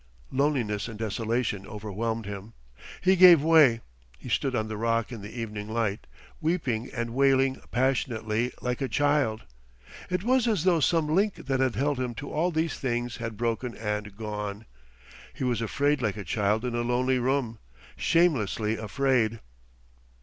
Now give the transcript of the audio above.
Loneliness and desolation overwhelmed him. He gave way. He stood on the rock in the evening light, weeping and wailing passionately like a child. It was as though some link that had held him to all these things had broken and gone. He was afraid like a child in a lonely room, shamelessly afraid.